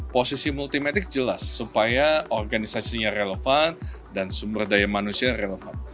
posisi multimatik jelas supaya organisasinya relevan dan sumber daya manusia relevan